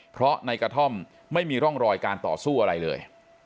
เพราะในกระท่อมไม่มีร่องรอยการต่อสู้อะไรเลย